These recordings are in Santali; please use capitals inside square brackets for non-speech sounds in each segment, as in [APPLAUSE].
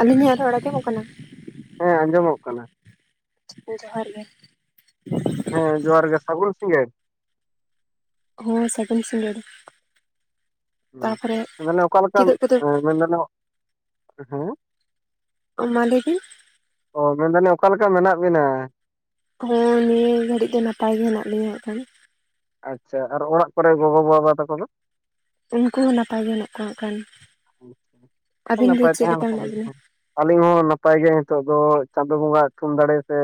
ᱟᱹᱞᱤᱧ ᱦᱮᱸ ᱨᱚᱲ ᱟᱡᱚᱢᱚᱜ ᱠᱟᱱᱟ? ᱦᱮᱸ ᱟᱸᱡᱚᱢᱚᱜ ᱠᱟᱱᱟ ᱾ ᱡᱚᱦᱟᱨ ᱜᱮ᱾ ᱦᱮᱸ ᱡᱚᱦᱟᱨ ᱜᱮ ᱥᱟᱹᱜᱩᱱ ᱥᱤᱸᱜᱟᱹᱲ ᱦᱮᱸ ᱥᱟᱜᱩᱱ ᱥᱤᱸᱜᱟᱹᱲ᱾ ᱛᱟᱯᱚᱨᱮ ᱦᱮᱸ ᱚᱠᱟ ᱞᱮᱠᱟ ᱮᱸ ᱪᱮᱫᱟᱜ ᱠᱚᱫᱚ ᱢᱮᱱ ᱫᱟᱞᱮ ᱚ ᱦᱮᱸ? ᱚ ᱢᱟ ᱞᱟᱹᱭᱵᱤᱱ ᱚ ᱢᱮᱱᱫᱟᱞᱤᱧ ᱚᱠᱟ ᱞᱮᱠᱟ ᱢᱮᱱᱟᱜ ᱵᱤᱱᱟ? ᱦᱮᱸ ᱱᱤᱭᱟᱹ ᱜᱷᱟᱹᱲᱤᱡ ᱫᱚ ᱱᱟᱯᱟᱭ ᱜᱮ ᱦᱮᱱᱟᱜ ᱞᱤᱧᱟᱹ ᱦᱟᱸᱜ ᱠᱷᱟᱱ᱾ ᱟᱪᱪᱷᱟ ᱟᱨ ᱚᱲᱟᱜ ᱠᱚᱨᱮ ᱜᱚᱜᱚ ᱵᱟᱵᱟ ᱛᱟᱠᱚ ᱫᱚ? ᱩᱱᱠᱩ ᱦᱚᱸ ᱱᱟᱯᱟᱭ ᱜᱮ ᱦᱮᱱᱟᱜ ᱠᱚᱣᱟ ᱦᱟᱸᱜ ᱠᱷᱟᱱ ᱟᱵᱤᱱ ᱫᱚ ᱱᱟᱯᱟᱭ ᱪᱮᱫ ᱛᱟᱦᱮᱸ ᱞᱮᱠᱟ ᱞᱮᱠᱷᱟᱱ ᱢᱮᱱᱟᱜ ᱜᱮ ᱵᱤᱱᱟ? ᱦᱮᱸ ᱟᱹᱞᱤᱧ ᱦᱚᱸ ᱱᱟᱯᱟᱭ ᱜᱮ ᱱᱤᱛᱚᱜ ᱫᱚ ᱪᱟᱸᱫᱚ ᱵᱚᱸᱜᱟᱣᱟᱜ ᱛᱷᱩᱢ ᱫᱟᱲᱮ ᱛᱮ᱾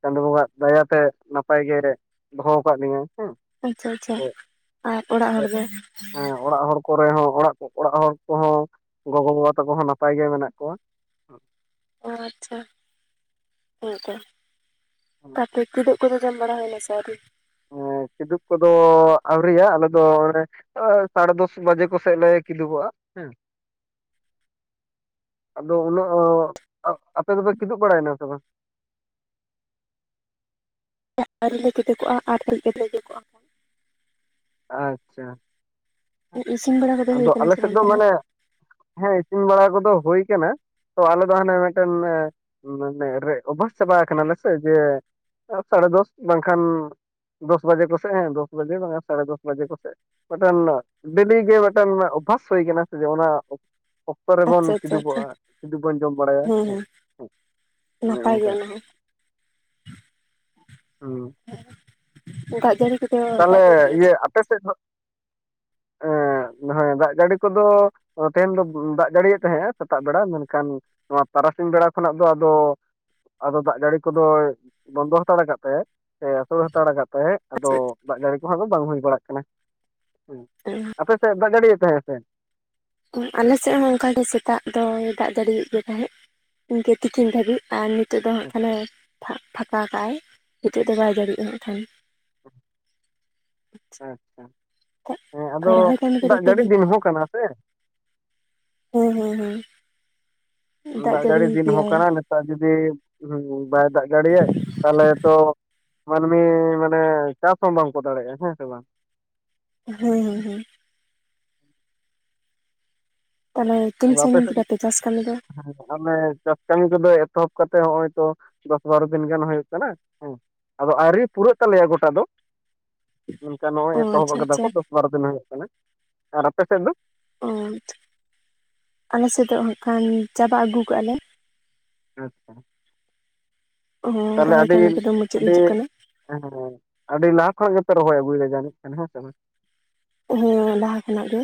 ᱪᱟᱸᱫᱚ ᱵᱚᱸᱜᱟᱣᱟᱜ ᱫᱟᱭᱟᱛᱮ ᱱᱟᱯᱟᱭ ᱜᱮ ᱫᱚᱦᱚ ᱠᱟᱫ ᱞᱤᱧᱟᱹ᱾ ᱦᱮᱸ ᱟᱪᱪᱷᱟ ᱟᱪᱪᱷᱟ ᱥᱮ ᱟᱨ ᱚᱲᱟᱜ ᱦᱚᱲ ᱫᱚ? ᱦᱮᱸ ᱚᱲᱟᱜ ᱦᱚᱲ ᱠᱚᱨᱮ ᱦᱚᱸ ᱚᱲᱟᱜ ᱚᱲᱟᱜ ᱦᱚᱲ ᱠᱚᱦᱚᱸ ᱜᱚᱜᱚ ᱵᱟᱵᱟ ᱛᱟᱠᱚ ᱦᱚᱸ ᱱᱟᱯᱟᱭ ᱜᱮ ᱢᱮᱱᱟᱜ ᱠᱚᱣᱟ ᱚ ᱟᱪᱪᱷᱟ ᱦᱮ ᱛᱚ [UNINTELLIGIBLE] ᱟᱨ ᱛᱮ ᱠᱤᱫᱩᱜ ᱠᱚᱫᱚ ᱡᱚᱢ ᱵᱟᱲᱟ ᱦᱩᱭᱱᱟ ᱥᱮ ᱟᱣᱨᱤ? ᱦᱮ ᱠᱤᱫᱩᱵ ᱠᱚᱫᱚ ᱟᱣᱨᱤᱭᱟ ᱟᱞᱮᱫᱚ ᱢᱟᱱᱮᱼᱼ ᱟ ᱥᱟᱲᱮ ᱫᱚᱥ ᱵᱟᱡᱮ ᱠᱚ ᱥᱮᱫ ᱞᱮ ᱠᱤᱫᱩᱵᱜ-ᱟ ᱦᱮ᱾ ᱟᱫᱚ ᱩᱱᱟᱹᱜ ᱚ ᱚᱜ ᱟᱯᱮ ᱫᱚᱯᱮ ᱠᱤᱫᱩᱵ ᱵᱟᱲᱟᱭᱱᱟ ᱥᱮ ᱵᱟᱝ? ᱟᱣᱨᱤ ᱞᱮ ᱠᱤᱫᱩᱵᱚᱜ-ᱟ ᱟᱨ ᱠᱟᱡᱽ ᱠᱟᱛᱮᱜ ᱞᱮ ᱠᱤᱫᱩᱵᱚᱜᱼᱟ ᱟᱪᱪᱷᱟ ᱤᱥᱤᱱ ᱵᱟᱲᱟ ᱠᱚᱫᱚ ᱦᱩᱭ ᱟᱫᱚ ᱠᱟᱱᱟ ᱟᱞᱮ ᱥᱮ ᱥᱮᱫ ᱵᱟᱝ ᱫᱚ ᱛᱟᱦᱚᱞᱮ? ᱢᱟᱱᱮᱼᱼ ᱦᱮᱸ ᱤᱥᱤᱱ ᱵᱟᱲᱟ ᱠᱚᱫᱚ ᱦᱳ ᱠᱟᱱᱟ ᱛᱚ ᱟᱞᱮ ᱫᱚ ᱦᱟᱱᱮ ᱢᱤᱫᱴᱮᱱ ᱨᱮ ᱚᱵᱷᱟᱥ ᱪᱟᱵᱟ ᱠᱟᱱᱟᱞᱮ ᱥᱮ ᱡᱮᱼᱼ ᱥᱟᱲᱮ ᱫᱚᱥ ᱵᱟᱝᱠᱷᱟᱱ ᱫᱚᱥ ᱵᱟᱡᱮ ᱠᱚᱥᱮᱫ ᱦᱮᱸ ᱫᱚᱥ ᱵᱟᱡᱮ ᱵᱟᱝᱟ ᱥᱟᱲᱮ ᱫᱚᱥᱼᱼ ᱡᱮ ᱠᱚᱥᱮᱫ ᱢᱤᱫᱴᱮᱱ ᱰᱮᱞᱤ ᱜᱮ ᱢᱤᱫᱴᱮᱱ ᱚᱵᱵᱷᱟᱥ ᱦᱩᱭ ᱠᱟᱱᱟ ᱥᱮ ᱡᱮ ᱚᱱᱟᱼᱼ ᱚᱠᱛᱚ ᱨᱮᱵᱚᱱ ᱟᱪᱪᱷᱟ ᱟᱪᱪᱷᱟ ᱟᱪᱪᱷᱟ ᱠᱤᱫᱤᱩᱵᱚᱜᱼᱟ ᱠᱤᱫᱩᱵᱽᱵᱚᱱ ᱡᱚᱢ ᱵᱟᱲᱟᱭᱟ ᱦᱮᱸ ᱚᱱᱮ ᱱᱟᱯᱟᱭ ᱚᱱᱠᱟ ᱜᱮ ᱚᱱᱟᱦᱚ ᱦᱩᱸ ᱦᱚᱸ ᱫᱟᱜ ᱡᱟᱹᱲᱤ ᱠᱚᱫᱚ ᱫᱟᱜ ᱛᱟᱦᱞᱮ ᱡᱟᱹᱲᱤ ᱜᱮ ᱥᱮ ᱤᱭᱟᱹ ᱵᱟᱝ? ᱟᱯᱮ ᱥᱮᱫ ᱦᱚᱼᱼ ᱮᱸ ᱢᱟᱱᱮ ᱫᱟᱜ ᱡᱟᱹᱲᱤ ᱠᱚᱫᱚᱼᱼ ᱛᱮᱦᱮᱧ ᱫᱚ ᱫᱟᱜ ᱡᱟᱹᱲᱤᱭᱮᱫ ᱛᱟᱦᱮᱸᱫᱼᱟ ᱥᱮᱛᱟᱜ ᱵᱮᱲᱟ ᱢᱮᱱᱠᱷᱟᱱᱼᱼ ᱱᱚᱣᱟ ᱛᱟᱨᱟᱥᱤᱧ ᱵᱮᱲᱟ ᱠᱷᱚᱱᱟᱜ ᱫᱚ ᱟᱫᱚᱼᱼ ᱟᱫᱚ ᱫᱟᱜ ᱜᱟᱹᱲᱤ ᱠᱚᱫᱚᱭ ᱵᱚᱱᱫᱚ ᱦᱟᱛᱟᱲ ᱠᱟᱫ ᱛᱮ ᱥᱮ ᱟᱥᱟᱩᱲ ᱦᱟᱛᱟᱲᱟ ᱠᱟᱫ ᱼᱼ ᱛᱟᱦᱮᱸᱫ ᱟᱫᱚ ᱟᱪᱪᱷᱟ ᱟᱪᱪᱷᱟ, ᱫᱟᱜ ᱡᱟᱹᱲᱤ ᱠᱚᱦᱚᱸ ᱫᱚ ᱵᱟᱝ ᱦᱩᱭ ᱵᱟᱲᱟᱜ ᱠᱟᱱᱟ᱾ ᱦᱮᱸ ᱟᱯᱮ ᱥᱮᱫ ᱫᱟᱜ ᱜᱟᱹᱲᱭᱮᱫ ᱛᱟᱦᱮᱸᱫ ᱥᱮ? ᱚ ᱟᱞᱮ ᱥᱮᱫ ᱦᱚᱸ ᱚᱱᱠᱟ ᱜᱮ ᱥᱮᱛᱟᱜ ᱫᱚᱭ ᱫᱟᱜ ᱡᱟᱲᱤᱭᱮᱫ ᱜᱮ ᱛᱟᱦᱮᱸᱫ᱾ ᱤᱱᱠᱟᱹ ᱛᱤᱠᱤᱱ ᱫᱷᱟᱹᱵᱤᱡ ᱟᱨ ᱱᱤᱛᱚᱜ ᱫᱚ ᱦᱟᱸᱜ ᱠᱷᱟᱱᱮ ᱟᱪᱪᱷᱟ ᱯᱷᱟ ᱯᱷᱟᱸᱠᱟ ᱠᱟᱜᱼᱟᱭ ᱱᱤᱛᱳᱜ ᱫᱚ ᱵᱟᱭ ᱡᱟᱲᱤᱭᱟᱜ ᱦᱟᱸᱜ ᱠᱷᱟᱱ᱾ ᱟᱪᱪᱷᱟ ᱦᱮᱸ ᱟᱫᱚ ᱟᱨ ᱨᱚᱦᱚᱭ ᱠᱟᱹᱢᱤ ᱠᱚᱫᱚ ᱫᱟᱜ ᱯᱮ ᱡᱟᱹᱲᱤ ᱦᱮᱸ ᱫᱤᱱ ᱦᱚᱸ ᱠᱟᱱᱟ ᱥᱮ? ᱦᱩᱸ ᱦᱩᱸ ᱦᱩᱸ᱾ ᱫᱟᱜ ᱡᱟᱹᱲᱤ ᱫᱤᱱ ᱦᱚᱸ ᱠᱟᱱᱟ ᱱᱮ ᱛᱟᱨ ᱡᱩᱫᱤ ᱵᱟᱭ ᱫᱟᱜ ᱡᱟᱹᱲᱤᱭᱟᱭ ᱛᱟᱦᱚᱞᱮ ᱛᱚ ᱢᱟᱹᱱᱢᱤ ᱢᱟᱱᱮ ᱪᱟᱥ ᱦᱚᱸ ᱵᱟᱝᱠᱚ ᱫᱟᱲᱮᱭᱟᱜᱼᱟ ᱦᱮᱸ ᱥᱮ ᱵᱟᱝ? ᱦᱳᱭ ᱦᱳᱭ ᱦᱳᱭ᱾ ᱛᱟᱦᱚᱞᱮ ᱛᱤᱧ ᱟᱫᱚ ᱟᱯᱮ ᱥᱟᱺᱜᱤᱧ ᱥᱮᱫ ᱠᱮᱫᱟᱯᱮ ᱪᱟᱥ ᱠᱟᱹᱢᱤ ᱫᱚ? ᱟᱞᱮ ᱪᱟᱥ ᱠᱟᱹᱢᱤ ᱠᱚᱫᱚ ᱮᱛᱚᱦᱚᱵ ᱠᱟᱛᱮᱜ ᱦᱚᱸᱜᱼᱚᱭ ᱛᱚ ᱫᱚᱥ ᱵᱟᱨᱚ ᱫᱤᱱ ᱜᱟᱱ ᱦᱩᱭᱩᱜ ᱠᱟᱱᱟ ᱦᱮᱸ᱾ ᱟᱫᱚ ᱟᱣᱨᱤ ᱯᱩᱨᱟᱹᱜ ᱛᱟᱞᱮᱭᱟ ᱜᱚᱴᱟ ᱫᱚ᱾ ᱚᱱᱠᱟ ᱱᱚᱸᱜᱼᱚᱭ ᱚ ᱮᱛᱚᱦᱚᱵ ᱟᱪᱪᱷᱟ ᱠᱟᱫᱟ ᱟᱪᱪᱷᱟ ᱠᱚ ᱫᱚᱥ ᱵᱟᱨᱚ ᱫᱤᱱ ᱦᱩᱭᱩᱜ ᱠᱟᱱᱟ, ᱟᱨ ᱟᱯᱮ ᱥᱮᱫ ᱫᱚ? ᱚ ᱟᱪᱪᱷᱟ ᱟᱞᱮ ᱥᱮᱫ ᱫᱚ ᱦᱟᱸᱜ ᱠᱷᱟᱱ ᱪᱟᱵᱟ ᱟᱹᱜᱩ ᱠᱟᱜᱼᱟ ᱞᱮ᱾ ᱟᱪᱪᱷᱟ ᱛᱟᱦᱚᱞᱮ ᱨᱚᱦᱚᱭ ᱟᱹᱰᱤ ᱠᱟᱹᱢᱤ ᱠᱚᱫᱚ ᱢᱩᱪᱟᱹᱫ ᱟᱹᱰᱤ ᱦᱤᱡᱩᱜ ᱠᱟᱱᱟ ᱦᱮᱸ ᱦᱮᱸ ᱟᱹᱰᱤ ᱞᱟᱦᱟ ᱠᱷᱚᱱᱟᱜ ᱜᱮᱯᱮ ᱨᱚᱦᱚᱭ ᱟᱹᱜᱩᱭᱮ ᱡᱟᱹᱱᱤᱡ ᱠᱷᱟᱱ ᱦᱮᱸ ᱥᱮ ᱵᱟᱝ? ᱦᱮᱸ ᱞᱟᱦᱟ ᱠᱷᱚᱱᱟᱜ ᱜᱮ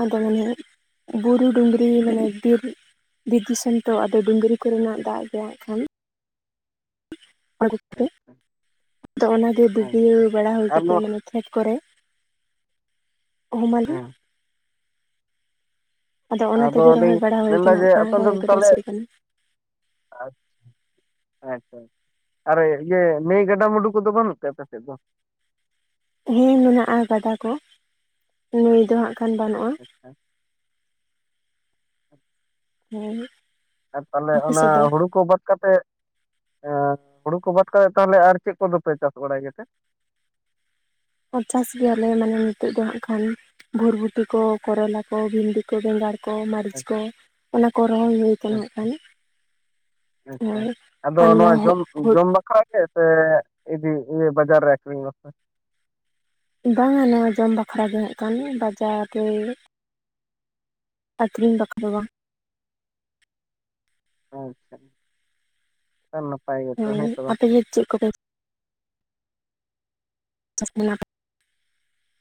ᱟᱫᱚ ᱢᱟᱱᱮ ᱵᱩᱨᱩ ᱰᱩᱝᱨᱤ ᱢᱟᱱᱮ ᱵᱤᱨ ᱵᱤᱨ ᱫᱤᱥᱚᱢ ᱛᱚ ᱟᱫᱚ ᱰᱩᱝᱨᱤ ᱠᱚᱨᱮᱱᱟᱜ ᱫᱟᱜ ᱜᱮ ᱦᱟᱸᱜ ᱠᱷᱟᱱ [UNINTELLIGIBLE] ᱟᱪᱪᱷᱟ [INAUDIBLE] ᱟᱫᱚ ᱚᱱᱟᱜᱮ ᱵᱤᱰᱭᱟᱹ ᱟᱪᱪᱷᱟ ᱵᱟᱲᱟ ᱦᱩᱭ ᱟᱨ ᱠᱟᱛᱮᱫ ᱱᱚᱣᱟ ᱢᱟᱱᱮ ᱠᱷᱮᱛ ᱠᱚᱨᱮ ᱚᱦᱚᱢᱟᱞᱮ᱾ [INAUDIBLE] ᱚᱱᱟ ᱟᱫᱚ ᱛᱮᱜᱮ ᱞᱤᱧ ᱨᱚᱦᱚᱭ ᱵᱟᱲᱟ ᱦᱩᱭ ᱢᱮᱱᱫᱟ ᱠᱟᱱᱟ ᱡᱮ ᱦᱟᱸᱜ ᱠᱷᱟᱱ ᱟᱯᱮ ᱚᱱᱛᱮ ᱨᱚᱦᱚᱭ ᱫᱚ ᱠᱚᱫᱚ ᱛᱟᱦᱚᱞᱮ ᱥᱟᱹᱛ ᱠᱟᱱᱟ [UNINTELLIGIBLE] ᱟᱪᱪᱷᱟ ᱟᱨᱮ ᱤᱭᱟᱹ ᱱᱟᱹᱭ ᱜᱟᱰᱟ-ᱢᱩᱰᱩ ᱠᱚᱫᱚ ᱵᱟᱹᱱᱩᱜ ᱛᱮ ᱟᱯᱮ ᱥᱮᱫ ᱫᱚ? ᱦᱮᱸ ᱢᱮᱱᱟᱜᱼᱟ ᱜᱟᱰᱟ ᱠᱚ ᱱᱟᱭ ᱫᱚ ᱦᱟᱸᱜ ᱠᱷᱟᱱ ᱵᱟᱹᱱᱩᱜᱼᱟ᱾ ᱦᱮᱸ? ᱦᱮᱞᱳ᱾ ᱟᱨ ᱛᱟᱦᱚᱞᱮ ᱚᱱᱟ ᱦᱩᱲᱩ ᱠᱚ ᱵᱟᱫ ᱠᱟᱛᱮᱫ ᱮᱸ ᱦᱩᱲᱩ ᱠᱚ ᱵᱟᱫ ᱠᱟᱛᱮ ᱛᱟᱦᱚᱞᱮ ᱟᱨ ᱪᱮᱫ ᱠᱚᱫᱚᱯᱮ ᱪᱟᱥ ᱵᱟᱲᱟᱭ ᱜᱮᱛᱮ? ᱟᱨ ᱪᱟᱥ ᱜᱮᱭᱟᱞᱮ ᱢᱟᱱᱮ ᱱᱤᱛᱚᱜ ᱫᱚ ᱦᱟᱸᱜ ᱠᱷᱟᱱ ᱵᱷᱩᱨᱵᱷᱩᱴᱤ ᱠᱚ ᱠᱚᱨᱞᱟ ᱠᱚ ᱵᱷᱤᱱᱰᱤ ᱠᱚ ᱵᱮᱸᱜᱟᱲ ᱠᱚ ᱢᱟᱹᱨᱤᱪ ᱠᱚ ᱚᱱᱟ ᱠᱚ ᱨᱚᱦᱚᱭ ᱦᱳᱭ ᱟᱪᱪᱷᱟ ᱠᱟᱱᱟ ᱦᱟᱸᱜ ᱠᱷᱟᱱ᱾ ᱟᱪᱪᱷᱟ ᱟᱪᱪᱷᱟ ᱟᱫᱚ ᱟᱨ ᱱᱚᱣᱟ ᱦᱳ ᱡᱚᱢ ᱦᱳ ᱡᱚᱢ ᱵᱟᱠᱷᱨᱟ ᱜᱮ ᱥᱮ ᱤᱫᱤ ᱤᱭᱟᱹ ᱵᱟᱡᱟᱨ ᱨᱮ ᱟᱠᱷᱨᱤᱧ ᱟᱥᱟ? ᱵᱟᱝᱟ ᱱᱮ ᱡᱚᱢ ᱵᱟᱠᱷᱨᱟ ᱜᱮ ᱦᱟᱸᱜ ᱠᱷᱟᱱ ᱵᱟᱡᱟᱨ ᱨᱮ ᱟᱹᱷᱨᱤᱧ ᱵᱟᱠᱷᱨᱟ ᱫᱚ ᱵᱟᱝ᱾ ᱟᱪᱪᱷᱟ᱾ ᱛᱟ ᱱᱟᱯᱟᱭ ᱜᱮ᱾ ᱦᱮᱸ ᱟᱯᱮ ᱜᱮ ᱪᱮᱫ ᱠᱚᱯᱮ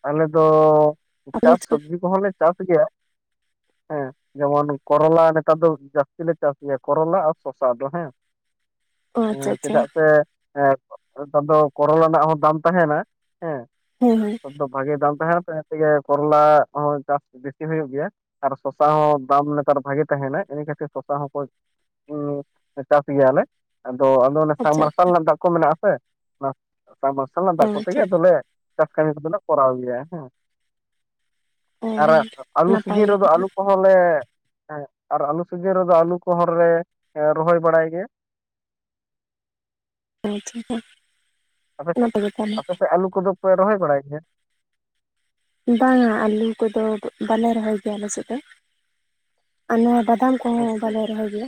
ᱟᱞᱮ ᱫᱚ ᱟᱯᱮ ᱪᱟᱥ ᱪᱮᱫ ᱠᱚ ᱥᱚᱵᱡᱤ ᱠᱚᱦᱚᱸᱞᱮ ᱪᱟᱥ ᱜᱮᱭᱟ ᱦᱮᱸ᱾ ᱡᱮᱢᱚᱱ ᱠᱚᱨᱚᱞᱟ ᱱᱮᱛᱟᱨ ᱫᱚ ᱡᱟᱹᱥᱛᱤ ᱞᱮ ᱪᱟᱥ ᱜᱮᱭᱟ ᱠᱚᱨᱚᱞᱟ ᱟᱨ ᱥᱚᱥᱟ ᱫᱚ ᱦᱮᱸ᱾ ᱚ ᱟᱪᱪᱷᱟ ᱮᱸ ᱟᱪᱪᱷᱟ ᱪᱮᱫᱟᱜ ᱥᱮ ᱱᱮᱛᱟᱨ ᱫᱚ ᱠᱚᱨᱚᱱᱟᱜ ᱦᱚᱸ ᱫᱟᱢ ᱛᱟᱦᱮᱸᱱᱟ ᱦᱮᱸ᱾ ᱦᱳᱭ ᱦᱳᱭ᱾ [UNINTELLIGIBLE] ᱵᱷᱟᱜᱮ ᱫᱟᱢ ᱛᱟᱦᱮᱸᱱᱟ ᱤᱱᱟᱹᱜ ᱛᱮᱜᱮ ᱠᱚᱨᱞᱟ ᱦᱚᱸ ᱪᱟᱥ ᱵᱮᱥᱤ ᱦᱩᱭᱩᱜ ᱜᱮᱭᱟ᱾ ᱟᱨ ᱥᱚᱥᱟ ᱦᱚᱸ ᱫᱟᱢ ᱱᱮᱛᱟᱨ ᱵᱷᱟᱜᱮ ᱛᱟᱦᱮᱱᱟ ᱤᱱᱟᱹ ᱠᱷᱟᱹᱛᱤᱨ ᱥᱚᱥᱟ ᱦᱚᱸᱠᱚ ᱚ ᱪᱟᱥ ᱜᱮᱭᱟᱞᱮ ᱟᱫᱚ ᱟᱫᱚ ᱚᱱ ᱥᱟᱢ ᱟᱪᱪᱷᱟ ᱢᱟᱨᱥᱟᱞ ᱟᱪᱪᱷᱟ ᱨᱮᱱᱟᱜ ᱫᱟᱜ ᱠᱚ ᱢᱮᱱᱟᱜᱼᱟᱥᱮ ᱚᱱᱟ ᱥᱟᱵᱢᱟᱨᱥᱟᱞ ᱨᱮᱱᱟᱜ ᱚ ᱫᱟᱜ ᱟᱪᱪᱷᱟ ᱠᱚᱛᱮᱜᱮᱟᱞᱮ ᱪᱟᱥ ᱠᱟᱹᱢᱤ ᱠᱚᱫᱚᱞᱮ ᱠᱚᱨᱟᱣ ᱜᱮᱭᱟ ᱦᱮᱸ᱾ ᱟᱨ ᱟ. ᱞᱩ ᱱᱟᱯᱟᱭ ᱥᱤᱡᱤᱱ ᱜᱮ ᱨᱮᱫᱚ ᱟᱞᱩ ᱠᱚ᱾ ᱦᱚᱸᱞᱮ ᱦᱮᱸ ᱟᱨ ᱟᱞᱩ ᱥᱤᱡᱤᱱ ᱨᱮᱫᱚ ᱟᱞᱩ ᱠᱚᱦᱚᱨᱞᱮ ᱨᱚᱦᱚᱭ ᱵᱟᱲᱟᱭ ᱜᱮᱭᱟ᱾ ᱚᱞᱪᱤᱠᱤ ᱠᱚ᱾ ᱟᱯᱮ ᱥᱮᱫ ᱟᱯᱮᱥᱮᱫ ᱟᱞᱩ ᱠᱚᱫᱚ ᱯᱮ ᱨᱚᱦᱚᱭ ᱵᱟᱲᱟᱭ ᱜᱮᱭᱟ? ᱵᱟᱝᱟ ᱟᱹᱞᱩ ᱠᱚᱫᱚ ᱵᱟᱞᱮ ᱨᱚᱦᱚᱭ ᱜᱮᱭᱟ, ᱟᱞᱮ ᱥᱮᱫ ᱫᱚ ᱟᱨ ᱱᱚᱣᱟ ᱵᱟᱫᱟᱢ ᱚ ᱟᱪᱪᱷᱟ ᱵᱟᱞᱮ ᱨᱚᱦᱚᱭ ᱜᱮᱭᱟ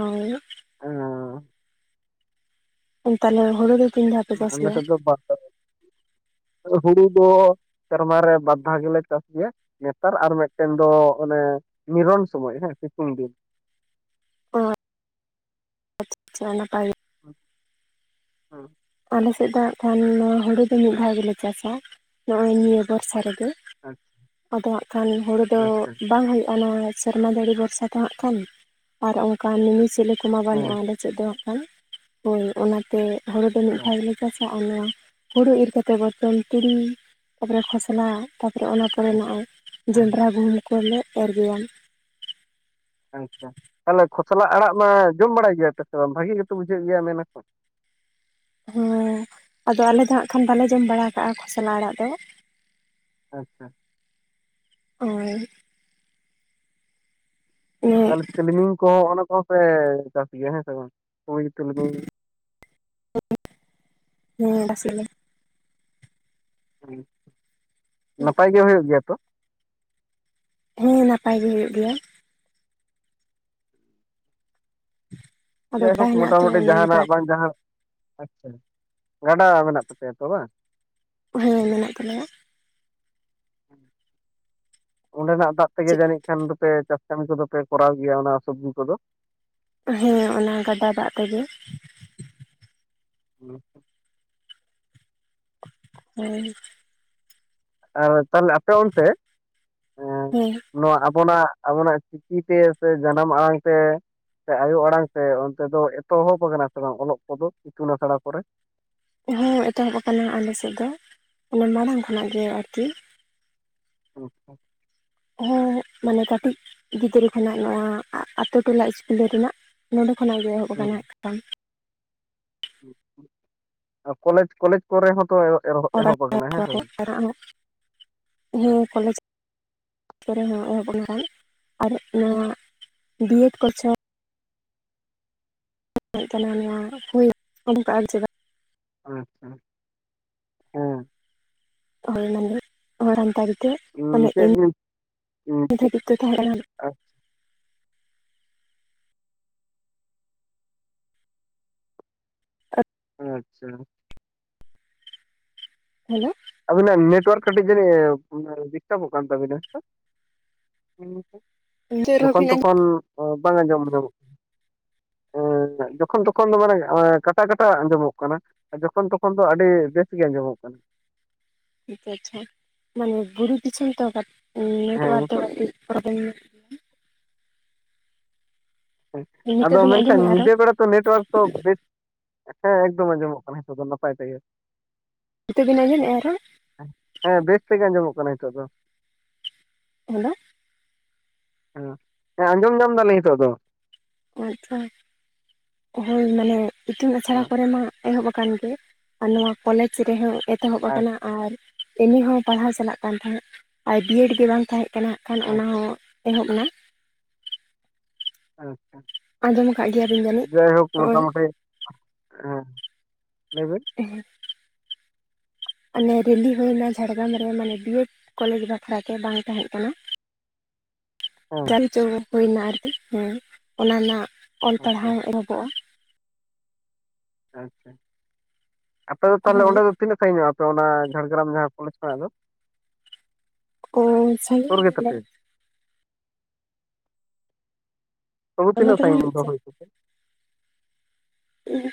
ᱚᱻ᱾ ᱦᱮᱸᱻᱚᱻ᱾ ᱛᱟᱦᱞᱮ ᱦᱩᱲᱩ ᱫᱚ ᱛᱤᱱ ᱫᱷᱟᱣ ᱯᱮ ᱪᱟᱥ ᱜᱮᱭᱟ? [UNINTELLIGIBLE] ᱵᱟᱨ ᱫᱷᱟᱳ᱾ ᱦᱩᱲᱩ ᱫᱚ ᱥᱮᱨᱢᱟ ᱨᱮ ᱵᱟᱨᱫᱷᱟᱣ ᱜᱮᱞᱮ ᱪᱟᱥ ᱜᱮᱭᱟ᱾ ᱱᱮᱛᱟᱨ ᱟᱨ ᱢᱤᱫᱴᱮᱱ ᱫᱚ ᱚᱱᱮ ᱱᱤᱨᱚᱱ ᱥᱚᱢᱚᱭ ᱦᱮᱸ ᱥᱤᱛᱩᱝ ᱫᱤᱱ᱾ ᱚ ᱟᱪᱪᱷᱟ ᱟᱪᱪᱷᱟ ᱱᱟᱯᱟᱭ ᱜᱮ᱾ ᱦᱩᱸ᱾ ᱟᱞᱮ ᱥᱮᱫ ᱫᱚ ᱦᱟᱸᱜᱠᱷᱟᱱ ᱱᱚᱣᱟ ᱦᱩᱲᱩ ᱫᱚ ᱢᱤᱫ ᱫᱷᱟᱣ ᱜᱮᱞᱮ ᱪᱟᱥᱟ ᱱᱚᱜᱼᱚᱭ ᱱᱤᱭᱟᱹ ᱵᱚᱨᱥᱟ ᱨᱮᱫᱚ᱾ ᱟᱪᱪᱷᱟ ᱟᱫᱚ ᱦᱟᱸᱜ ᱠᱷᱟᱱ ᱦᱩᱲᱳ ᱫᱚ ᱟᱪᱪᱷᱟ ᱵᱟᱝ ᱦᱩᱭᱩᱜᱼᱟ ᱱᱚᱣᱟ ᱥᱮᱨᱢᱟ ᱫᱟᱹᱲᱤ ᱵᱷᱚᱨᱥᱟ ᱛᱚᱦᱟᱸᱜ ᱠᱷᱟᱱ ᱟᱨ ᱚᱱᱠᱟ ᱢᱤᱢᱤᱱᱤ ᱥᱮᱞᱳ ᱠᱚᱢᱟ ᱵᱟ. ᱱᱩᱜᱼᱟ ᱦᱮᱸ ᱚᱸᱰᱮ᱾ ᱪᱮᱫ ᱫᱚ ᱦᱟᱜᱠᱷᱟᱱ ᱦᱳᱭ ᱚᱱᱟᱛᱮ ᱦᱳᱲᱩ ᱫᱚ ᱢᱤᱫ ᱟᱪᱪᱷᱟ ᱫᱷᱟᱣᱜᱮᱞᱮ ᱪᱟᱥᱼᱟ᱾ ᱦᱩᱲᱩ ᱤᱨ ᱠᱟᱛᱮ ᱵᱚᱨᱪᱚᱱ ᱛᱩᱲᱤ ᱛᱟᱯᱚᱨᱮ ᱠᱷᱚᱥᱞᱟ ᱛᱟᱯᱚᱨ ᱚᱱᱟ ᱟᱪᱪᱷᱟ ᱱᱚᱜᱼᱚᱭ ᱦᱮᱸ ᱡᱚᱸᱱᱰᱨᱟ ᱜᱩᱦᱩᱢ ᱠᱚᱞᱮ ᱮᱨᱜᱮᱭᱟ᱾ ᱦᱮᱸᱦᱮᱸ ᱛᱟᱦᱚᱞᱮ ᱠᱷᱚᱥᱞᱟ ᱟᱲᱟᱜ ᱢᱟ ᱡᱚᱢ ᱵᱟᱲᱟᱭ ᱜᱮᱭᱟ ᱯᱮ ᱥᱮ ᱵᱟᱝ ᱵᱷᱟᱹᱜᱤ ᱜᱮᱛᱚ ᱵᱩᱡᱷᱟᱹᱜ ᱜᱮᱭᱟ ᱢᱮᱱᱟᱠᱚ? ᱦᱮᱸ ᱟᱫᱚ ᱟᱞᱮ ᱫᱚ ᱦᱟᱜᱸ ᱠᱷᱟᱱ ᱵᱟᱞᱮ ᱡᱚᱢ ᱵᱟᱲᱟ ᱠᱟᱜᱼᱟ ᱠᱷᱚᱥᱞᱟ ᱟᱲᱟᱜ ᱫᱚ᱾ ᱟᱪᱪᱷᱟ᱾ ᱦᱳᱭ᱾ ᱛᱟᱦᱚᱞᱮ ᱦᱮᱸ ᱛᱤᱞᱢᱤᱧ ᱠᱚᱦᱚᱸ ᱚᱱᱟ ᱠᱚᱦᱚᱸ ᱯᱮ ᱪᱟᱥ ᱜᱮᱭᱟ ᱦᱮᱸ ᱥᱮ ᱵᱟᱝ? ᱛᱩᱲᱤ ᱛᱤᱞᱢᱤᱧ᱾ ᱦ ᱦᱮᱸ ᱵᱟᱥ [INAUDIBLE] ᱱᱟᱯᱟᱭ ᱜᱮ ᱦᱩᱭᱩᱜ ᱜᱮᱭᱟ ᱛᱚ? ᱦᱮᱸ ᱱᱟᱯᱟᱭ ᱜᱮ ᱦᱩᱭᱩᱜ ᱜᱮᱭᱟ᱾ [INAUDIBLE] ᱡᱟᱭᱦᱳᱠ ᱦᱮᱱᱟᱜ ᱛᱚ ᱢᱚᱴᱟᱢᱩᱴᱤ ᱡᱟᱦᱟᱱᱟᱜ ᱵᱟᱝ ᱡᱟᱦᱟᱸ ᱟᱪᱪᱷᱟ, ᱜᱟᱰᱟ ᱢᱮᱱᱟᱜ ᱛᱟᱯᱮᱭᱟ ᱛᱚ ᱵᱟᱝ? ᱦᱮᱸ ᱢᱮᱱᱟᱜ ᱛᱟᱞᱮᱭᱟ᱾ ᱚᱸᱰᱮᱱᱟᱜ ᱫᱟᱜ ᱛᱮᱜᱮ ᱪᱮᱫ ᱡᱟᱹᱱᱤᱡ ᱠᱷᱟᱱ ᱫᱚᱯᱮ ᱪᱟᱥ ᱠᱟᱹᱢᱤ ᱠᱚᱫᱚ ᱯᱮ ᱠᱚᱨᱟᱣ ᱜᱮᱭᱟ ᱚᱱᱟ ᱥᱚᱵᱡᱤ ᱠᱚᱫᱚ᱾ ᱦᱮᱸ ᱚᱱᱟ ᱜᱟᱰᱟ ᱫᱟᱜ ᱛᱮᱜᱮ᱾ ᱦᱩᱸ ᱾ [INAUDIBLE] ᱦᱮᱸ᱾ ᱟᱨ ᱛᱟᱦᱚᱞᱮ ᱟᱯᱮ ᱚᱱᱛᱮ ᱦᱮᱸ ᱱᱚᱣᱟ ᱟᱵᱚᱱᱟᱜ ᱟᱵᱚᱱᱟᱜ ᱪᱤᱠᱤ ᱛᱮ ᱥᱮ ᱡᱟᱱᱟᱢ ᱟᱲᱟᱝ ᱛᱮ ᱥᱮ ᱟᱭᱳ ᱟᱲᱟᱝ ᱛᱮ ᱚᱱᱛᱮ ᱫᱚ ᱮᱛᱚᱦᱚᱵ ᱟᱠᱟᱱᱟ ᱥᱮ ᱵᱟᱝ ᱚᱞᱚᱜ ᱠᱚᱫᱚ ᱤᱛᱩᱱ ᱟᱥᱲᱟ ᱠᱚᱨᱮ? ᱦᱮᱸ ᱮᱛᱚᱦᱚᱵ ᱟᱠᱟᱱᱟ ᱟᱞᱮ ᱥᱮᱫ ᱫᱚ ᱚᱱᱮ ᱢᱟᱲᱟᱝ ᱠᱷᱚᱱᱟᱜ ᱜᱮ ᱟᱨᱠᱤ᱾ ᱚ᱾ ᱦᱮᱸ ᱢᱟᱱᱮ ᱠᱟᱹᱴᱤᱡ ᱜᱤᱫᱽᱨᱟᱹ ᱠᱷᱚᱱᱟᱜ ᱱᱚᱣᱟ ᱟᱛᱳ ᱴᱚᱞᱟ ᱤᱥᱠᱩᱞ ᱨᱮᱱᱟᱜ ᱱᱚᱸᱰᱮ ᱠᱷᱚᱱᱟᱜ ᱜᱮ ᱮᱦᱚᱵ ᱠᱟᱱᱟ ᱦᱟᱜᱠᱷᱟᱱ᱾ ᱟᱨ ᱠᱚᱞᱮᱡᱽ ᱠᱚᱞᱮᱡᱽ ᱠᱚᱨᱮ ᱦᱚᱸᱛᱚᱭᱚᱜ [UNINTELLIGIBLE] ᱦᱮᱸ ᱠᱚᱞᱮᱡᱽ ᱠᱚᱨᱮ ᱦᱚᱸ ᱮᱦᱚᱵ ᱟᱱᱟ ᱵᱟᱝ ᱟᱨ ᱱᱚᱣᱟ ᱫᱤᱭᱮᱰ ᱠᱚᱨᱪᱷᱮ ᱦᱩᱭ ᱠᱟᱱᱟ ᱱᱚᱣᱟ ᱦᱩᱭᱱᱟ ᱩᱰᱩᱠᱚᱜ ᱟᱢ ᱪᱮᱫᱟᱜ ᱟᱪᱪᱷᱟ ᱦᱮᱸ ᱦᱳᱭᱮᱱ ᱢᱟᱸᱫᱷᱮᱨ ᱦᱚᱲᱟ ᱢᱮᱛᱟᱫᱤ ᱛᱮᱸᱦᱮᱫ ᱚᱱᱮ ᱩᱸ ᱪᱮᱫ ᱤᱱ, ᱵᱤᱱ ᱩᱸ ᱪᱮᱫ [UNINTELLIGIBLE] ᱛᱟᱦᱮᱸ ᱠᱟᱱᱟ [UNINTELLIGIBLE] ᱟᱪᱪᱷᱟ ᱦᱮᱞᱳ ᱟᱹᱵᱤᱱᱟᱜ ᱱᱮᱴᱣᱟᱨᱠ ᱠᱟᱹᱴᱤᱡ ᱡᱟᱹᱱᱤᱡ ᱮ ᱰᱤᱥᱴᱟᱵᱚᱜ ᱠᱟᱱ ᱛᱟᱹᱵᱤᱱᱟ ᱦᱮᱸ ᱥᱮ? ᱱᱤᱛᱚᱜ ᱨᱮᱦᱚᱸ ᱡᱚᱠᱷᱚᱱ ᱵᱤᱱ ᱟᱸᱡᱚᱢ ᱛᱚᱠᱷᱚᱱ ᱵᱟᱝ ᱟᱸᱡᱚᱢ ᱧᱟᱢᱚᱜ ᱦᱮᱸᱧᱟᱜ ᱡᱚᱠᱷᱚᱱ ᱛᱚᱠᱷᱚᱱ ᱫᱚ ᱢᱟᱱᱮ ᱚᱭ ᱠᱟᱴᱟ ᱠᱟᱴᱟ ᱟᱸᱡᱚᱢᱚᱜ ᱠᱟᱱᱟ᱾ ᱟ ᱡᱚᱠᱷᱚᱱ ᱛᱚᱠᱷᱚᱱ ᱫᱚ ᱟᱹᱰᱤ ᱵᱮᱥ ᱜᱮ ᱟᱸᱡᱚᱢᱚᱜ ᱠᱟᱱᱟ᱾ ᱴᱷᱤᱠ ᱟᱪᱪᱷᱟ ᱢᱟᱱᱮ ᱵᱩᱨᱩ ᱫᱤᱥᱚᱢ ᱛᱚ ᱠᱟᱹᱴ ᱦᱮᱸ ᱱᱮᱴᱣᱟᱨᱠ ᱫᱚ ᱱᱤᱛᱚᱜ ᱠᱟᱴᱤᱡ ᱯᱨᱚᱵᱮᱢ ᱧᱚ ᱧᱚᱜ ᱟᱫᱚ ᱱᱤᱛᱚᱜ ᱵᱤᱱ ᱢᱮᱱᱠᱷᱟᱱ ᱟᱸᱡᱚᱢᱮᱫᱼᱟ ᱨᱚᱲ ᱧᱤᱫᱟᱹ ᱵᱮᱲᱟ ᱛᱚ ᱱᱮᱴᱣᱟᱨᱠ ᱫᱚ ᱵᱮᱥ ᱦᱮᱸ ᱮᱠᱫᱚᱢ ᱟᱸᱡᱚᱢᱚᱜ ᱠᱟᱱᱟ ᱦᱮᱛᱚᱜ ᱫᱚ ᱱᱟᱯᱟᱭ ᱛᱮᱜᱮ᱾ ᱱᱤᱛᱚᱜ ᱵᱮᱱ ᱟᱸᱡᱚᱢᱮᱜᱼᱟ ᱟᱨ ᱦᱚᱸ? ᱦᱮᱸ ᱵᱮᱥ ᱛᱮᱜᱮ ᱟᱸᱡᱚᱢᱚᱜ ᱠᱟᱱᱟ ᱱᱤᱛᱚᱜ ᱫᱚ᱾ ᱦᱮᱞᱳ ᱦᱮᱸ, ᱦᱮᱸ ᱟᱸᱡᱚᱢ ᱧᱟᱢ ᱫᱟᱞᱤᱧ ᱱᱤᱛᱚᱜ ᱫᱚ᱾ ᱟᱪᱪᱷᱟ, ᱦᱳᱭ ᱢᱟᱱᱮ ᱤᱛᱩᱱ ᱟᱥᱲᱟ ᱦᱮᱸ ᱠᱚᱨᱮ ᱢᱟ ᱮᱦᱚᱵ ᱟᱠᱟᱱ ᱜᱮ᱾ ᱟᱨ ᱱᱚᱣᱟ ᱠᱚᱞᱮᱡᱽ ᱨᱮᱦᱚᱸ ᱮᱛᱚᱦᱚᱵ ᱟᱠᱟᱱᱟ ᱟᱪᱪᱷᱟ ᱟᱨ ᱮᱢᱮ ᱦᱚᱸ ᱯᱟᱲᱦᱟᱣ ᱪᱟᱞᱟᱜ ᱠᱟᱱ ᱛᱟᱦᱮᱸᱫ ᱟᱨ ᱵᱤᱭᱮᱰ ᱜᱮ ᱵᱟᱝ ᱛᱟᱦᱮᱸᱜ ᱠᱟᱱᱟ ᱠᱷᱟᱱ ᱟᱪᱪᱷᱟ ᱚᱱᱟ ᱦᱚᱸ ᱮᱦᱚᱵᱱᱟ ᱟᱪᱪᱷᱟ, ᱟᱸᱡᱚᱢ ᱟᱠᱟᱫ ᱜᱮᱭᱟᱵᱤᱱ ᱡᱟᱹᱱᱤᱡ ᱡᱟᱭᱦᱳᱠ ᱱᱚᱜᱼᱚᱭ ᱢᱳᱴᱟᱢᱩᱴᱤ ᱦᱮᱸ ᱞᱟᱹᱭᱵᱮᱱ ᱮᱸᱦᱮᱸ ᱚᱱᱮ ᱨᱮᱞᱤ ᱦᱩᱭᱱᱟ ᱡᱷᱟᱲᱜᱨᱟᱢ ᱨᱮ ᱢᱟᱱᱮ ᱵᱤᱭᱮᱰ ᱠᱚᱞᱮᱡᱽ ᱵᱟᱠᱷᱨᱟᱛᱮ ᱵᱟᱝ ᱛᱟᱦᱮᱸᱜ ᱠᱟᱱᱟ᱾ ᱦᱮᱸ ᱡᱟᱸᱠ‌ᱡᱚᱸᱢᱚᱠ ᱦᱩᱭᱱᱟ ᱟᱨᱠᱤ ᱦᱮᱸ ᱚᱱᱟ ᱨᱮᱱᱟᱜ ᱚᱞ ᱟᱪᱪᱷᱟ ᱯᱟᱲᱦᱟᱣ ᱮᱦᱚᱵᱚᱜᱼᱟ ᱾ ᱟᱪᱪᱷᱟ, ᱟᱯᱮ ᱫᱚ ᱛᱟᱦᱚᱞᱮ ᱚᱸᱰᱮ ᱫᱚ ᱛᱤᱱᱟᱹᱜ ᱥᱟᱸᱜᱤᱧᱚᱜᱼᱟ ᱟᱯᱮ ᱚᱱᱟ ᱡᱷᱟᱲᱜᱨᱟᱢ ᱡᱟᱦᱟᱸ ᱠᱚᱞᱮᱡᱽ ᱠᱷᱚᱱᱟᱜ ᱫᱚ? ᱦᱳᱭ ᱥᱩᱨ ᱥᱟᱺᱜᱤᱧ ᱜᱮᱭᱟᱞᱮ᱾ ᱜᱮᱛᱟᱯᱮᱭᱟ ᱛᱚᱵᱩ ᱫᱚᱢᱮ ᱛᱤᱱᱟᱹᱜ ᱫᱚ ᱵᱟᱝ ᱥᱟᱺᱜᱤᱧ ᱦᱩᱭᱩᱜ ᱚᱱᱛᱮ ᱥᱮ ᱠᱷᱚᱡ ᱫᱚᱯᱮ?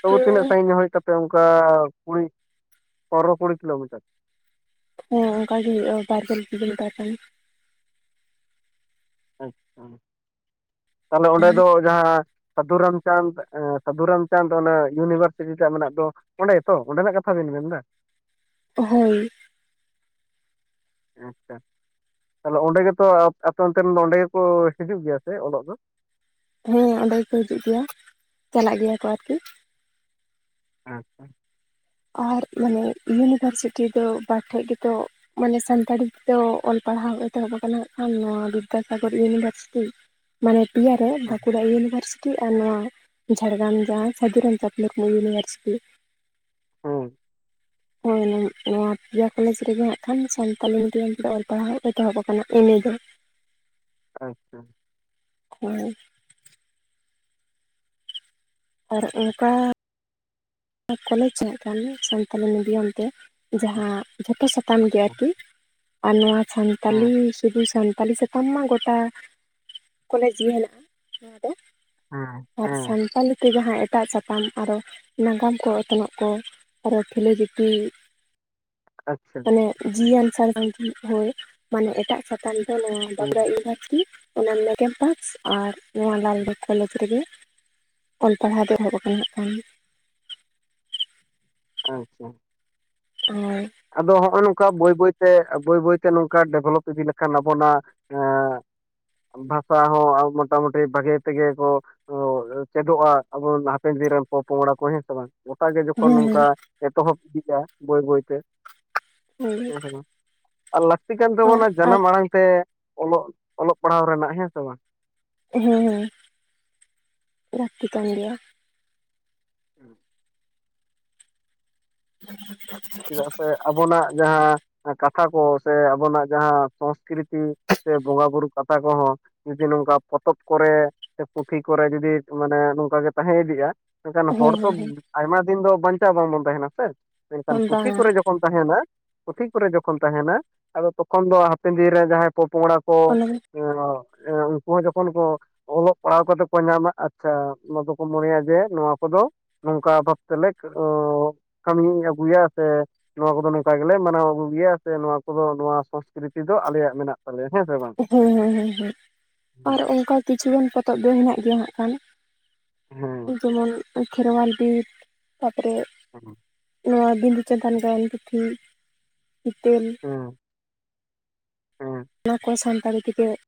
ᱛᱚᱵᱩ ᱛᱤᱱᱟᱹᱜ ᱥᱟᱺᱜᱤᱧ ᱧᱚᱜ ᱦᱩᱭᱩᱜ ᱛᱟᱯᱮ ᱚᱝᱠᱟ ᱠᱩᱲᱤ ᱯᱚᱱᱨᱚ ᱠᱩᱲᱤ ᱠᱤᱞᱳᱢᱤᱴᱟᱨ ᱦᱮᱸ ᱚᱝᱠᱟ ᱜᱮ‌ ᱦᱩᱭᱩᱜᱼᱟ ᱵᱟᱨᱜᱮᱞ ᱯᱤᱜᱮᱞ ᱞᱮᱛᱟᱨ ᱥᱟᱺᱜᱤᱧ ᱟᱪᱪᱷᱟ, ᱛᱟᱦᱚᱞᱮ ᱚᱸᱰᱮ ᱫᱚ ᱡᱟᱦᱟᱸ ᱥᱟᱫᱷᱩ ᱨᱟᱢᱪᱟᱸᱫᱽ ᱮᱸ ᱥᱟᱫᱷᱩ ᱨᱟᱢᱪᱟᱸᱫᱽ ᱚᱱᱮ ᱤᱭᱩᱱᱤᱵᱷᱟᱨᱥᱤᱴᱤ ᱴᱷᱮᱡ ᱢᱮᱱᱟᱜ ᱫᱚ ᱚᱸᱰᱮ ᱜᱮᱛᱚ ᱚᱸᱰᱮᱱᱟᱜ ᱠᱟᱛᱷᱟ ᱵᱮᱱ ᱢᱮᱱᱫᱟ? ᱮᱸᱦᱮᱸᱱ ᱟᱪᱪᱷᱟ, ᱛᱟᱦᱚᱞᱮ ᱚᱸᱰᱮ ᱜᱮᱛᱚ ᱟᱯ ᱟᱯᱮ ᱚᱱᱛᱮ ᱨᱮᱱ ᱫᱚ ᱚᱸᱰᱮ ᱜᱮᱠᱚ ᱦᱤᱡᱩᱜ ᱜᱮᱭᱟ ᱥᱮ ᱚᱞᱚᱜ ᱫᱚ? ᱦᱮᱸ ᱚᱸᱰᱮ ᱜᱮᱠᱚ ᱦᱤᱡᱩᱜ ᱜᱮᱭᱟ ᱪᱟᱞᱟᱜ ᱜᱮᱭᱟ ᱠᱚ ᱟᱨᱠᱤ᱾ ᱟᱪᱪᱷᱟ ᱟᱨ ᱢᱟᱱᱮ ᱤᱭᱩᱱᱤᱵᱷᱟᱨᱥᱤᱴᱤ ᱫᱚ ᱵᱟᱨ ᱴᱷᱮᱡ ᱜᱤᱛᱚ ᱢᱟᱱᱮ ᱥᱟᱱᱛᱟᱲᱤ ᱛᱮᱫᱚ ᱚᱞ ᱯᱟᱲᱦᱟᱣ ᱮᱛᱚᱦᱚᱵ ᱟᱠᱟᱱᱟᱜ ᱦᱟᱸᱜ ᱠᱷᱟᱱ ᱱᱚᱣᱟ ᱵᱤᱫᱽᱫᱟᱥᱟᱜᱚᱨ ᱤᱭᱩᱱᱤᱵᱷᱟᱨᱥᱤᱴᱤ ᱢᱟᱱᱮ ᱯᱤᱭᱟ ᱨᱮ ᱦᱮᱸ ᱵᱟᱸᱠᱩᱲᱟ ᱤᱭᱩᱱᱤᱵᱷᱟᱨᱥᱤ ᱴᱤ ᱟᱨ ᱱᱚᱣᱟ ᱡᱷᱟᱲᱜᱨᱟᱢ ᱡᱟᱦᱟᱸ ᱥᱟᱹᱫᱷᱩ ᱨᱟᱢᱪᱟᱸᱫᱽ ᱢᱩᱨᱢᱩ ᱤᱭᱩᱱᱤᱵᱷᱟᱨᱥᱤᱴᱤ ᱾ ᱦᱩᱸ᱾ ᱦᱳᱭ ᱱᱚᱣᱟ ᱯᱮᱭᱟ ᱠᱚᱞᱮᱡᱽ ᱨᱮᱜᱮ ᱦᱟᱸᱜ ᱠᱷᱟᱱ ᱥᱟᱱᱛᱟᱞᱤ ᱢᱤᱰᱤᱭᱟᱢ ᱨᱮ ᱚᱞ ᱯᱟᱲᱦᱟᱜ ᱮᱛᱚᱦᱚᱵ ᱟᱠᱟᱱᱟ ᱮ ᱢᱮ ᱫᱚ ᱾ ᱟᱪᱪᱷᱟ᱾ ᱦᱳᱭ᱾ ᱟᱨ ᱚᱱᱠᱟ ᱠᱚᱞᱮᱡᱽ ᱦᱟᱜ ᱠᱷᱟᱱ ᱥᱟᱱᱛᱟᱞᱤ ᱢᱤᱰᱤᱭᱟᱢ ᱛᱮ ᱾ ᱟᱪᱪᱷᱟ ᱡᱟᱦᱟᱸ ᱡᱷᱚᱛᱚ ᱥᱟᱛᱟᱢ ᱜᱮ ᱟᱨᱠᱤ ᱟᱨ ᱱᱚᱣᱟ ᱥᱟᱱᱛᱟᱞᱤ ᱦᱮᱸ ᱥᱤᱫᱩ ᱥᱟᱱᱛᱟᱞᱤ ᱟᱢ ᱢᱟ ᱜᱚᱴᱟ ᱠᱚᱞᱮᱡᱽ ᱜᱮ ᱦᱮᱱᱟᱜ- ᱟ᱾ ᱱᱚᱣᱟ ᱛᱮ ᱦᱮᱸ ᱦᱮᱸ ᱥᱟᱱᱛᱟᱲᱤ ᱛᱮ ᱡᱟᱦᱟᱸ ᱮᱴᱟᱜ ᱥᱟᱛᱟᱢ ᱟᱨᱚ ᱱᱟᱜᱟᱢ ᱠᱚ ᱚᱛᱱᱚᱜ ᱠᱚ ᱟᱨᱚ ᱯᱷᱮᱞᱳ ᱡᱳᱯᱷᱤ ᱟᱪᱪᱷᱟ ᱢᱟᱱᱮ ᱡᱤᱣᱤᱟᱱ ᱥᱟᱬᱮᱥ ᱢᱮᱱᱛᱮ ᱦᱚᱭ ᱢᱟᱱᱮ ᱮᱴᱟᱜ ᱥᱟᱛᱟᱢ ᱫᱚ ᱱᱚᱣᱟ ᱦᱮᱸ ᱵᱟᱠᱩᱲᱟ ᱤᱭᱩᱱᱤᱵᱷᱟᱨᱥᱤᱴᱤ ᱚᱱᱟ ᱢᱮᱰᱤᱭᱟᱢ ᱯᱟᱥ ᱟᱨ ᱱᱚᱣᱟ ᱞᱟᱞᱜᱚᱲ ᱠᱚᱞᱮᱡᱽ ᱨᱮᱜᱮ᱾ ᱚᱞ ᱯᱟᱲᱦᱟᱣ ᱫᱚ ᱮᱦᱚᱵ ᱟᱠᱟᱱᱟ ᱦᱟᱜ ᱠᱷᱟᱱ ᱟᱪᱪᱷᱟ᱾ [INAUDIBLE] ᱟᱫᱚ ᱱᱚᱜᱼᱚᱭ ᱱᱚᱝᱠᱟ ᱵᱟᱹᱭ ᱵᱟᱹᱭᱛᱮ ᱵᱟᱹᱭ ᱵᱟᱹᱭᱛᱮ ᱱᱚᱝᱠᱟ ᱰᱮᱵᱷᱞᱚᱯ ᱤᱫᱤ ᱞᱮᱠᱷᱟᱱ ᱟᱵᱚᱱᱟᱜ ᱮᱻ ᱵᱷᱟᱥᱟ ᱦᱚᱸ ᱢᱚᱴᱟᱢᱩᱴᱤ ᱵᱷᱟᱜᱮ ᱛᱮᱜᱮ ᱠᱚ ᱪᱮᱫᱚᱜᱼᱟ ᱟᱵᱚ ᱦᱟᱯᱮᱱ ᱫᱤᱱ ᱨᱮᱱ ᱯᱚᱼᱯᱚᱝᱲᱟ ᱠᱚ ᱥᱮ ᱵᱟᱝ? ᱜᱚᱴᱟᱜ ᱜᱮ ᱡᱚᱠᱷᱚᱱ ᱦᱮᱸ ᱱᱚᱝᱠᱟ ᱦᱮᱸ ᱮᱛᱚᱦᱚᱵ ᱤᱫᱤᱜᱼᱟ ᱵᱟᱹᱭ ᱵᱟᱹᱭᱛᱮ ᱾ ᱦᱮᱸ ᱦᱮᱸ ᱟᱨ ᱞᱟᱹᱠᱛᱤ ᱠᱟᱱ ᱛᱟᱵᱚᱱᱟ ᱟᱨ ᱡᱟᱱᱟᱢ ᱟᱲᱟᱝ ᱛᱮ ᱚᱞᱚᱜ ᱚᱞᱚᱜ ᱯᱟᱲᱦᱟᱣ ᱨᱮᱱᱟᱜ ᱦᱮᱸ ᱥᱮ ᱵᱟᱝ? ᱦᱮᱸ ᱦᱮᱸ ᱞᱟᱹᱠᱛᱤ ᱠᱟᱱ ᱜᱮᱭᱟ ᱾ [INAUDIBLE] [INAUDIBLE] ᱪᱮᱫᱟᱜ ᱥᱮ ᱟᱵᱚᱱᱟᱜ ᱡᱟᱦᱟᱸ ᱠᱟᱛᱷᱟ ᱠᱚ ᱥᱮ ᱟᱵᱚᱱᱟᱜ ᱡᱟᱦᱟᱸ ᱥᱚᱥᱠᱨᱤᱛᱤ ᱥᱮ ᱵᱚᱸᱜᱟ ᱵᱩᱨᱩ ᱠᱟᱛᱷᱟ ᱠᱚᱦᱚᱸ ᱡᱩᱫᱤ ᱱᱚᱝᱠᱟ ᱯᱚᱛᱚᱵ ᱠᱚᱨᱮ ᱥᱮ ᱯᱩᱛᱷᱤ ᱠᱚᱨᱮ ᱡᱩᱫᱤ ᱢᱟᱱᱮ ᱱᱚᱝᱠᱟ ᱜᱮ ᱛᱟᱦᱮᱸ ᱤᱫᱤᱜᱼᱟ ᱢᱮᱱᱠᱷᱟᱱ ᱦᱚᱲ ᱦᱮᱸ ᱛᱚ ᱦᱮᱸ ᱟᱭᱢᱟ ᱫᱤᱱ ᱫᱚ ᱵᱟᱧᱪᱟᱣ ᱵᱟᱝᱵᱚᱱ ᱛᱟᱦᱮᱱᱟ ᱥᱮ ᱢᱮᱱᱠᱷᱟᱱ ᱦᱮᱸ ᱯᱩᱛᱷᱤ ᱵᱟᱝᱟ ᱠᱚᱨᱮ ᱡᱚᱠᱷᱚᱱ ᱛᱟᱦᱮᱱᱟ ᱯᱩᱛᱷᱤ ᱠᱚᱨᱮ ᱡᱚᱠᱷᱚᱱ ᱛᱟᱦᱮᱱᱟ ᱟᱫᱚ ᱛᱚᱠᱷᱚᱱ ᱫᱚ ᱦᱟᱯᱮᱱ ᱫᱤᱱ ᱨᱮ ᱡᱟᱦᱟᱸᱭ ᱯᱚᱼᱯᱚᱝᱲᱟ ᱠᱚ ᱚᱱᱟ ᱮ ᱩᱱᱠᱩ ᱡᱚᱠᱷᱚᱱ ᱠᱚ ᱚᱞᱚᱜ ᱯᱟᱲᱦᱟᱣ ᱠᱟᱛᱮ ᱠᱚ ᱧᱟᱢᱟ ᱟᱪᱪᱷᱟ ᱱᱚᱣᱟ ᱫᱚᱠᱚ ᱢᱚᱱᱮᱭᱟ ᱡᱮ ᱱᱚᱣᱟ ᱠᱚᱫᱚ ᱱᱚᱝᱠᱟ ᱵᱷᱟᱵ ᱛᱮᱞᱮ ᱠᱟᱹᱢᱤ ᱟᱹᱜᱩᱭᱟ᱾ ᱥᱮ ᱱᱚᱣᱟ ᱠᱚᱫᱚ ᱱᱚᱝᱠᱟ ᱜᱮᱞᱮ ᱢᱟᱱᱟᱣ ᱟᱹᱜᱩ ᱜᱮᱭᱟ, ᱥᱮ ᱱᱚᱣᱟ ᱠᱚᱫᱚ ᱱᱚᱣᱟ ᱥᱚᱥᱠᱨᱤᱛᱤ ᱫᱚ ᱟᱞᱮᱭᱟᱜ ᱢᱮᱱᱟᱜ [INAUDIBLE] ᱵᱟᱝ᱾ ᱦᱮᱸ ᱦᱮᱸ ᱦᱮᱸ ᱟᱨ ᱚᱱᱠᱟ ᱠᱤᱪᱷᱩᱜᱟᱱ ᱯᱚᱛᱚᱵ ᱫᱚ ᱢᱮᱱᱟᱜ ᱦᱮᱱᱟᱜ ᱜᱮᱭᱟ ᱦᱟᱜ ᱠᱷᱟᱱ᱾ ᱦᱮᱸ ᱡᱮᱢᱚᱱ ᱠᱷᱮᱨᱣᱟᱞ ᱵᱤᱨ ᱛᱟᱯᱚᱨᱮ [INAUDIBLE] ᱱᱚᱣᱟ ᱵᱤᱫᱩ ᱪᱟᱸᱫᱟᱱ ᱜᱟᱭᱟᱱ ᱯᱩᱛᱷᱤ ᱦᱤᱛᱟᱹᱞ ᱦᱩᱸ ᱦᱮᱸ᱾ ᱚᱱᱟ ᱠᱚ ᱥᱟᱱᱛᱟᱲᱤ ᱛᱮᱜᱮ